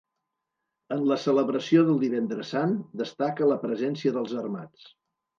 En la celebració del Divendres Sant destaca la presència dels Armats.